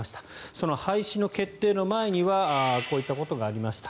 その廃止の決定の前にはこういったことがありました。